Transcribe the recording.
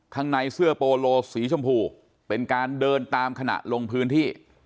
ข้างในเสื้อโปโลสีชมพูเป็นการเดินตามขณะลงพื้นที่